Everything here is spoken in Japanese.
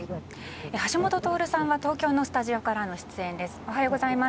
橋下徹さんは東京のスタジオからの出演です。